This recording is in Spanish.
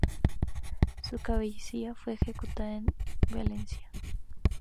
Su cabecilla fue ejecutado en Valencia.